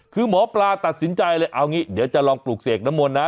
คือหมอปลาตัดสินใจเลยเอางี้เดี๋ยวจะลองปลูกเสกน้ำมนต์นะ